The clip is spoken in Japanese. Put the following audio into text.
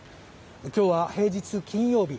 今日は平日、金曜日。